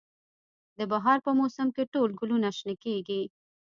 د بهار په موسم کې ټول ګلونه شنه کیږي